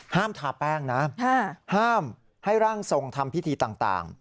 ทาแป้งนะห้ามให้ร่างทรงทำพิธีต่าง